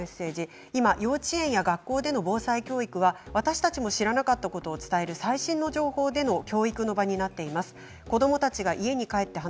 今幼稚園や学校での防災教育は私たちも知らなかったことを伝える最新情報の教育の場になっています。